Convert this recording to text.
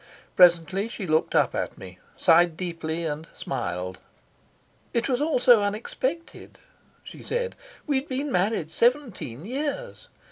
Presently she looked up at me, sighed deeply, and smiled. "It was all so unexpected," she said. "We'd been married seventeen years.